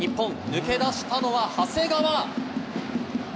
抜け出したのは長谷川。